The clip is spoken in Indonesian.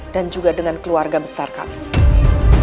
dan juga dengan keluarga besar kami